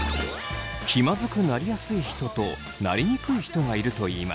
気まずくなりやすい人となりにくい人がいるといいます。